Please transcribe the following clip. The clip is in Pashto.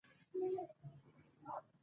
خاوره د افغان تاریخ په کتابونو کې ذکر شوي دي.